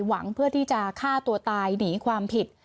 หวังเพื่อที่จะฆ่าตัวตายหนีความผิด